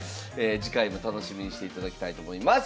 次回も楽しみにしていただきたいと思います。